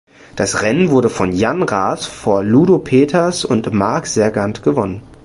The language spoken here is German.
Das Rennen wurde von Jan Raas vor Ludo Peeters und Marc Sergeant gewonnen.